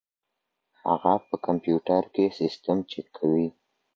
هغه په کمپيوټر کي سيستم چک کوي.